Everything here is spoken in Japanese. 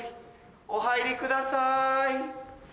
お入りください。